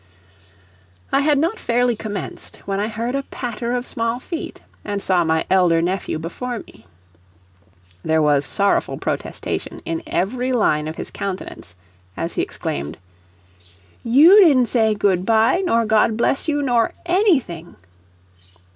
I had not fairly commenced when I heard a patter of small feet, and saw my elder nephew before me. There was sorrowful protestation in every line of his countenance, as he exclaimed: "You didn't say 'Good by' nor 'God bless you' nor anything."